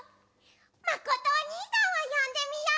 まことおにいさんをよんでみよう！